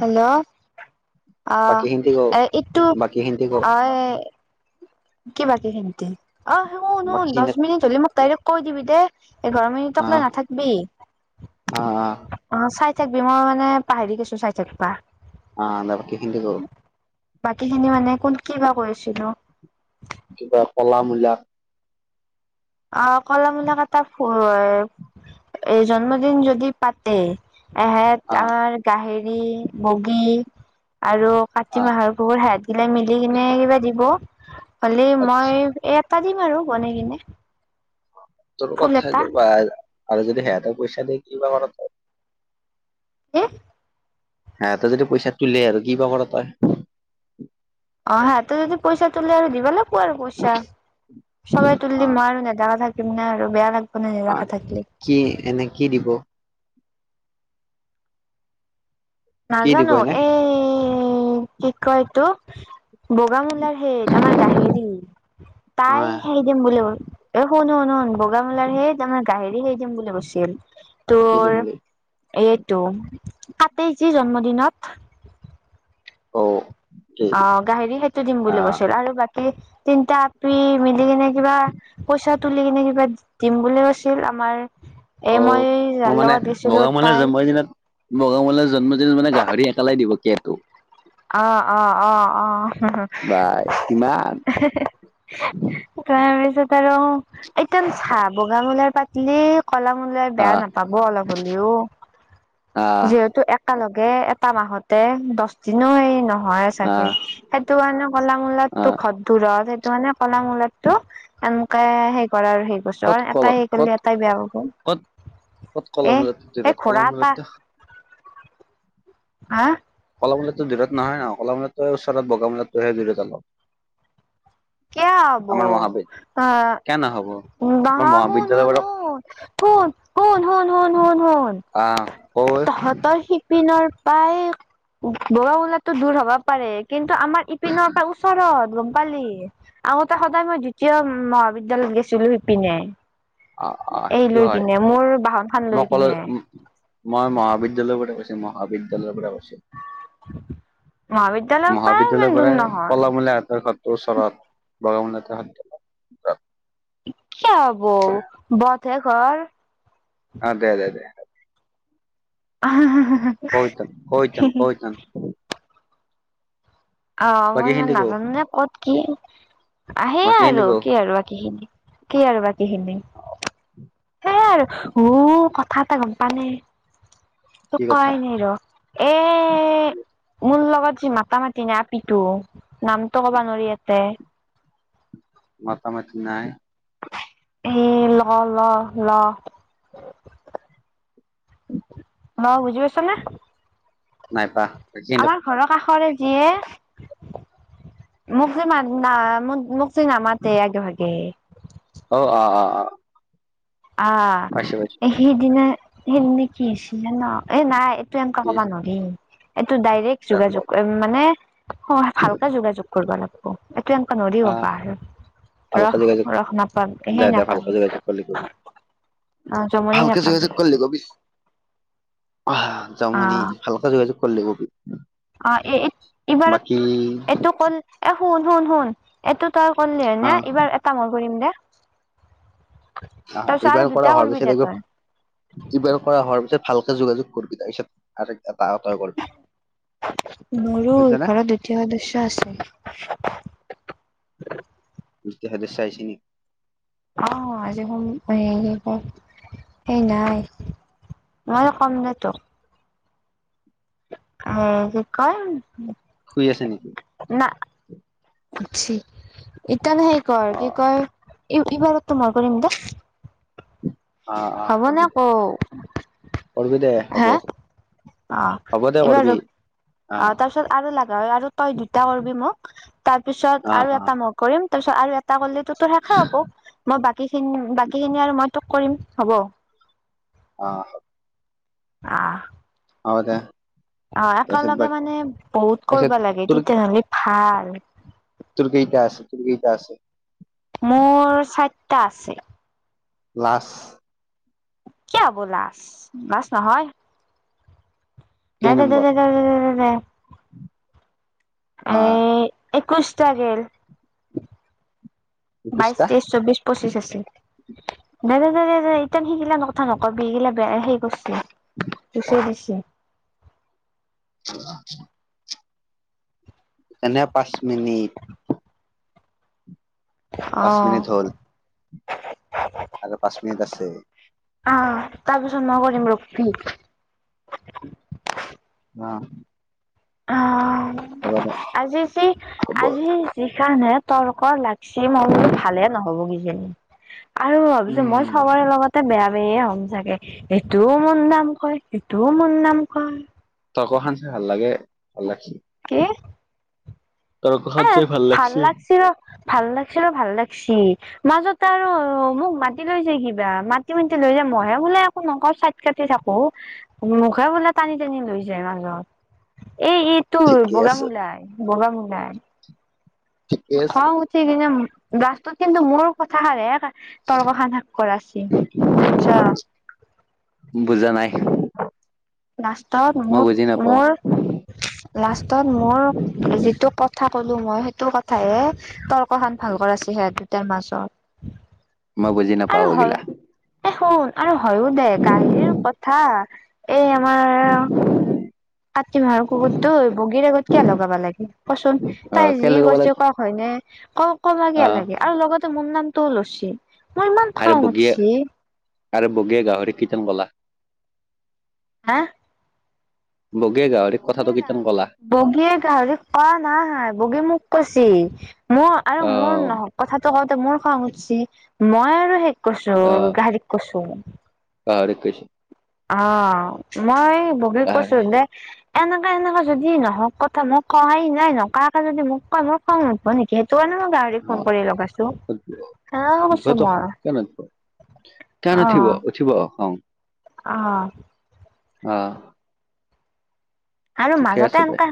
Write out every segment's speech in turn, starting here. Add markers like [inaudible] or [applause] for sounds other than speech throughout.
Hello অ', এ এইটো অ। কিবাকেই খিন অ শ শনো দহ মিনিট হলে মোক ডাইৰেক্ট কৈ দিবি দে এঘাৰ মিনিট আপোনাৰ নাথাকবিই অ', অ চাই থাকিবি মই মানে পাহেৰি গৈছো চাই থাকিবা। অ দাৰকে হিন্দ ক বাকী খিনি মানে কোন কি বা কৈছিলো। কিবা কলামূলা অ', কলা মূলা কাতা এই জন্মদিন যদি পাতে এহেত আহ আমাৰ গাহৰি মুগী আৰু কাতি আহ মাহৰ কুবুৰ হেহেত কিতাই মিলি কিনে কিবা দিব। হ'লে মই আচ্ছা এ পাতিম আৰু বনাই কিনে তোৰ ফুল কথা এটা বা আৰু যদি হেয়াটা পইচা দিয় কি ক'ৰ তই কি? হেহেতে যদি পইচা তোলে আৰু কি বা কৰ তই। অ', হা তো যদি পইচা তোলে আৰু দিবা লাগিব আৰু পইচা। সবাই তুলুলিলি আহ মই আৰু নেদা কা থাকিম ন আৰু বেয়া লাগ নেদা আহ কে থাকলি কি এনে কি দিব কি দিব নাজানো এনে এই কি কয় এটো বগামুলাৰ হেই আমাৰ গাহেৰি তাই আহ হেৰি দিম বুলিল এ শুনু শুনু বগামুলাৰ সেই তাৰে গাহৰি সেই দিম বুলি কৈছিল কি তোৰ দিম বুলি এইটো কাতে যে জন্মদিনত অ'। কি অ', গাহৰি সেইটো দিম বুলি আহ কৈছিল আৰু বাকী তিনিটা আপি মিলি কিনে কিবা পইচা তুলি কেনে কিবা দিম বুলি কৈছিল আমাৰ এ মই যাৰ অ', মানে লগত গৈছিলো বগামালাৰ তাই জন্মদিনত বগামুলাৰ জন্মদিনত মানে গাহৰি একেলাই দিব কেটো আহ অ', অ ', অ'। বা কিমান [unintelligible] ত একদম চাহ বগামলাৰ পাতিলে কলামলাই বেয়া আহ নাপাব অলপ হ'লেও আহ যিহেতু একেলগে তে এটা মাহতে দহ দিন এই ন হয় আহ চাগে সেইটো কাৰণে কলামূলাতো আহ খদ দূৰত সেইটো কাৰণে কলামূলাত তো এনেকে সেই কৰে আৰু সেই কৰিছো কত আৰু কল এটাই সেই কৰিলে কত এটাই বেয়া পাব। কত ক'ত এ এই ঘোৰা ক'লামুলা এটা [unintelligible] হা? কলামূলা দূৰত নহয় ন কলামূলাটো ওচৰত বগামূলাটোহে দূৰত অলপ। কিয় হবৌ আমাৰ মহাবিদ অহ কিয় নহ'ব আমাৰ [unintelligible] মহাবিদ্যালয় বাৰু আহ কৈ তহঁতৰ শিপিনৰ পৰায় বগামূলাটো দূৰ হবা পাৰে কিন্তু আমাৰ ইপিনৰ পৰা ওচৰত গম পালি। আগতে সদায় মই দ্বিতীয় মহাবিদ্যালয়ত গেছিলো ইপিনে। অ', অ' সেইটো হয় বাহন খান লৈ মই কলে কিনে মই মহাবিদ্যালয় মহাবিদ্যালয়ৰ পৰা কৈছে। মহাবিদ্যালয়ৰ পৰা ইমান মহাবিদ্যালয়ৰ দূৰ পৰাই নহয় কলামূলীয়া ইহঁতৰ ঘৰ [unintelligible] কিয় হবৌ বথে ঘৰ। অ', দে দে দে। [unintelligible] কৈতন কৈতন কৈতন। অ', মই ইমান বাকীখিনি কও নাজানোনেে ক'ত কি। আহে বাকীখিনি আৰু কও কি আৰু বাকীখিনি কি আৰু বাকীখিনি। সেইয়াই আৰু উ কথা এটা গম প নে কি তোক কথা কোৱাই নাই ৰ'হ। এয়ে মোৰ লগত যি মাতা মাতি না আপিটো নামটো কোবো নোৱাৰি এয়াতে মতামাতি নাই এ ল ল ল [inaudible] ম বুজি পাছা নে [inaudible] নাইবা বাকীখিনি আমাৰ ঘৰৰ কাষৰে [unintelligible] নামাতে আগে ভাগে অ অ অ অ আহ পাইছো পাইছো সেইদিনা সেই নেকি আছ জানা এ নাই এনেুৱা ঠিক ক'বা আছে নোৱাৰি এইটো ডাইৰেক্ট দে ক যোগাযোগ মানে ভালকে যোগাযোগ কৰিব লাগব এনেকুৱা নৰি আহ হ'বা আৰু ভালকে ৰস যোগাযোগ ৰস নাপামেই দে সেই দে ভালকে নাপামি যোগাযোগ কৰিলি কবি অহ জমনি ভালকে নাপাবি যোগাযোগ [inaudible] কৰিলি কবি অ [unintelligible] অ এ বাকী এইবাৰত এইটো কল এ শুন শুন শুন এইটো তই অ কৰিললিহেনে এইবাৰ এটা মই কৰিম দে অহ তাৰপিছত আৰু এইবাৰ কৰা দুটা হোৱাৰ কৰিবি পিছত দে তই একবাৰ এইবাৰ কৰা হোৱাৰ পিছত ভালকে যোগাযোগ কৰবি তাৰচ আৰু এটা আত কৰবি মোৰো ঘৰত দ্বিতীয় সদস্য আছেল [inaudible] [unintelligible] [unintelligible] মই কম দে তো কি কয় শুই আছে নেকি [inaudible] না অ [unintelligible] অ অ হ'ব নে কৰিবি দে কৌ কৰিবি দে হ'ব হা অ হ'ব দে এইবাৰ কৰিবি অ তাৰ পিছত আৰু লাগা হয় আৰু তই দুটা কৰবি মোক তাৰপিছত অ আৰু অ এটা মই কৰিম তাৰ পিছত আৰু এটা গলে তো তোৰ শেষা হব মই বাকী খিনি বাকী খিনি আৰু মই তোক কৰিম হ'ব [inaudible] অ আহ। হ'ব দে। অ' তাৰপিছত বা একেলগে মানে বহুত তাৰপিছত কৰবা লাগে, তোৰ তেতিয়াহ'লে ভাল। তোৰ কেইটা আছে, তোৰ কেইটা আছে। মোৰ চাইতটা আছে। লাচ। [unintelligible] কেই নম্বৰ [unintelligible] অ'। একৈছটা গেল, বাইছ, একৈশটা তেইছ, চৌবিছ, পঁচিছ আছে। দে, দে, দে, দে, দে ইতান সেইগিলা কথা নকবি। এগিলা বে, এ হেই কৈছি। পিছে দিছে। [inaudible] এনে পাঁচ মিনিট। পাঁচ অ মিনিট হ'ল। আৰু পাঁচ মিনিট আছে। অ', তাৰপিছত মই কৰিম ৰখবি। অ'। অ', হ'ব দে আজি যি, হ'ব আজি যিখানহে তৰ্ক লাগ চিম মই বোলো ভালে নহ'ব কিজানি আৰু ভাবিছোঁ মই উম চবৰে লগতে বেয়া ময়ে হম চাগে এইটোও মোৰ নাম কয় সিটোও মোৰ নাম কয়। তৰ্কখন চাই ভাল লাগে, ভাল লাগছি। কি? এ ভাল লাগছি ৰ। ভাল লাগছি ৰ ভাল লাগছি। মাজতে আৰু মোক মাতি লৈ যায় কিবা মাতি মাতি লৈ যাম। মইহে বোলে একো নকওঁ চাইট কাটি থাকোঁ, মোকহে বোলে টানি টানি লৈ যায় মাজত। এই এ তোৰ ঠিকে বগা আছে মুলাই, বগা মুলাই। ঠিকে আছে খং উঠি কিনে, লাষ্টত কিন্তু মোৰ কথাষাৰেহে তৰ্কখান শেষ কৰা হৈছে বুতছ? বুজা নাই লাষ্টত মই মোক বুজি নাপাওঁ মোৰ লাষ্টত মোৰ যিটো কথা ক'লো মই হেটো কথাহে তৰ্কখান ভাল কৰাইছি সেহঁত দুটাৰ মাজত। মই বুজি আৰু নাপাওঁ হয় ইগিলা। এ শুন আৰু হয়ো দে গাহৰীৰ কথা এই আমাৰ [inaudible] কাতি মাহৰ কুকুৰটো হৈ বগীৰ আগত কিয়া লগাবা লাগে কচোন অ' তাই যি কেলে ক'ব লাগ কৈছে কওঁক হয়নে? অ' ক'বা কেয়া অ' লাগে আৰু লগতে মোৰ নামটো লৈছে। মোৰ ইমান আৰু খং বগীয়ে উঠছি। আৰু বগীয়ে গাহৰি কীনত গলা। হা? গাহৰিক বগীয়ে কথাটো গাহ, কিটান ক'লা বগীয়ে গাহৰিক কোৱা নাই বগীয়ে মোক কৈছি। মোৰ আৰু মোৰ অ' নহওঁক কথাটো কওঁতে মোৰ খং উঠছি। মই আৰু হেই কৈছোং অ' গাহৰীক কৈছোং। [unintelligible] অ' মই বগীক গাহৰি কৈছোঁ যে এনেকে এনেকে যদি নহওঁক কথা মোক কৱাই নাই নকাকে যদি মোক কয় মই খং নুঠব নেকি। তোৰ কাৰণে মই গাহৰিক ফোন কৰি লগাইছোঁ। উঠবটো খং, কিয় নুঠব, কিয় অ নুঠিব উঠিব খং। অ' অ আৰু ঠিকে মাজতে আছে দে এনকা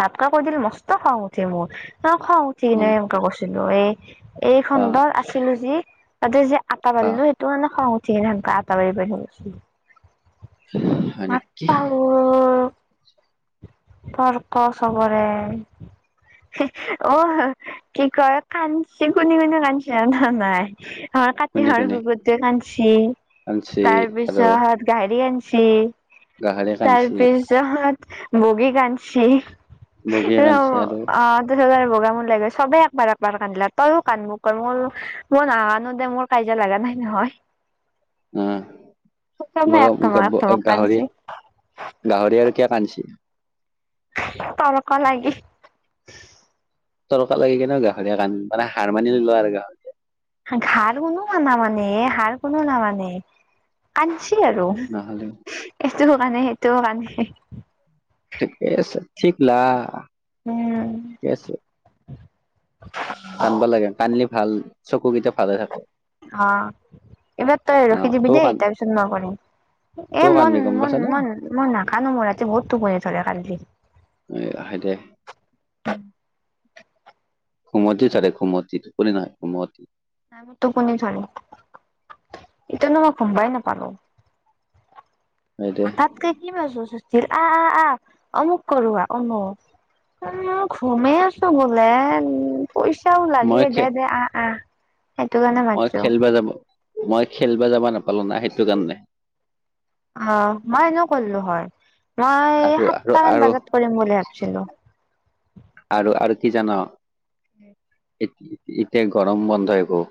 ধাপকা কৈ দিলে মসষ্ট খওঁ উঠে মোৰ অ খং উঠি উম কিনে এনেুৱে কৈছিলো এই এই অ খণ্ডত আছিলো যি তাতে যেি আটা অ বাাৰিলো সেইটো মানে খং উঠিে ধানক আটাাব বাাৰি পাৰৈ হয় নেকি তৰ্ক চবৰে অ কি কয় কাচি কনে কনে কান্চি জনা নাই কোনে কাতিহৰ কোনে গুবৰটোৱে কান্ছি কাঞ্চি তাৰ আৰু পিছতাত গাহৰি আান্ছি গাহৰি কাঞ্চি তাৰপিছ য বগী কানছ বগীয়ে কাঞ্চি আৰু অ ত চত বগা মোৰ লে চবে একবাৰ একবাৰ কান্দিলা তইয়ও কান্ মোৰ মোৰ মই নাজানো দে মোৰ কাজিয়া লগা নাই নহয় আহ চবে ম এক ধমক এক ধমক গাহৰি কানছি গাহৰি আৰু কিয় কছি তৰক লাগি তৰকা লাগি কেনে গাহৰিীয়া কণ মানে হাৰ মানি লোৱা আৰু গাহৰিীয়া হাৰ কোনো ম ন মানে সাৰ কোনো ন মানে আ ছি আৰু নহ'লে এইটো কাৰণে সেইটো কাৰণে েছ ঠিক লা উম ঠিকে আছে কান্দবা লাগে, কান্দলি ভাল চকুকেইটা ভালে থাকে। অ' এইবাৰ তই অ ৰখি দিবি তইও দেই, কান তাৰপিছত মই কৰিম। এ তইও কান্দবি গম পাইছা নে মন-মন-মন-মন নাকানো, মোৰ ৰাতি বহুত টোপনি ধৰে কান্দিলি। আহে দে। [unintelligible] ঘুমতি তাৰে ঘুমতি, টোপনি নহয় ঘুমতি। নাই মোৰ টোপনি ধৰে, ইতিনো মই ঘুমবাই নাপালো। হয় দে তাতকৈ কি [unintelligible] আ-আ-আহ অমুক কৰো আ- অমুক। উম, ঘুমেই আছো বোলে, উ ল' পইচাও মই লাগে খে দে-দে আহ-আহ। সেইটো কাৰণে মই মাতছো। খেলবা যাব মই খেল বা যাবা নাপালো না, সেইটো কাৰণে অ' মই এনেও কৰিলো হয়। মই আৰু আৰু সাতটা মান আৰু বজাত কৰিম বুলি ভাবিছিলো। আৰু, আৰু কি জান? উম'। এতিয়া গৰম বন্ধ হৈবৌ।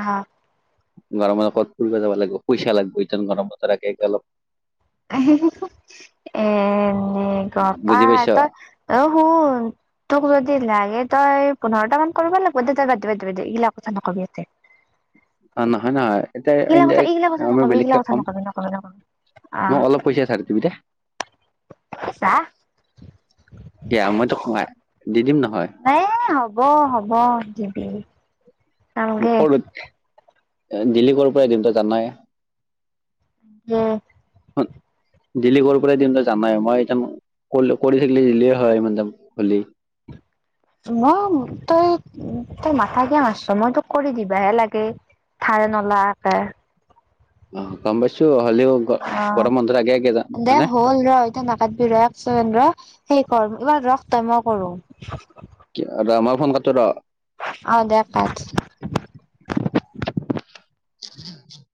অহ। গৰমতে ক'ত ফুৰবা যাব লাগিব, পইচা লাগিব সেই ইতা গৰম বন্ধৰ আগে-আগে অলপ। [unintelligible] এ বুজি গমপাই পাইছ তই অ' শুন' তোক যদি লাগে তই পোন্ধৰটা মান কৰিব লাগিব দে, তই বাদদি- বাদদি, এইগিলাক অকৰ্থা নকবি এতে। অ' নহয়-নহয়, এইগিলা এতিয়া কথা আমি নকবি এইগিলা বেলেগে কথা কম। নকবি নকবি নকবি মোক আহ অলপ পইচা ধাৰে দিবি দে। যা কিয়া মই তোক দিম। নহয় নাই হ'ব, হ'ব দিবি। নালগে [unintelligible] দিলি ক'ৰ পৰা দিম তই জানয়ে। অহ। [inaudible] দিলি ক'ৰ পৰাই দিম, তই জানাই মই ইটা কৰি থাকিলি দিলিয়ে হয়, ইমান টাইম হলি। [inaudible] মই তই, তই মাথাা কিয় মাৰছছ, মই তোক কৰি দিবাহে লাগে। ধাৰে নলাৱাকে। অ গম পাইছো হ'লেও গৰম বন্ধৰ আগে আগে যাম অ' দে হয় হ'ল ৰ', ইটা নাকাতবি বি ৰহ এক চেকেণ্ড ৰ' সেই এইবাৰ ৰখ তই, মই কৰো। কিয়া ৰ' মই ফোন কাটো ৰ'। অ' দে কাট। [inaudible]